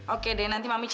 oke deh nanti mami cari